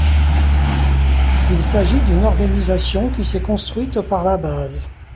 Il s'agit d'une organisation qui s'est construite par la base.